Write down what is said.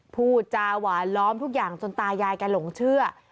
พูดจาหวานล้อมทุกอย่างจนตายายแกหลงเชื่อ